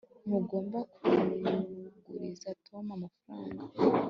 ntugomba kuguriza tom amafaranga